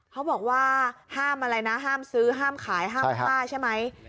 เขาบอกว่าห้ามอะไรนะห้ามซื้อห้ามขายห้ามค่าใช่ไหม